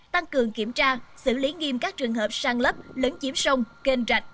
tăng cường kiểm tra xử lý nghiêm các trường hợp sang lấp lấn chiếm sông kênh rạch